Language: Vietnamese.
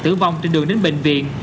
tử vong trên đường đến bệnh viện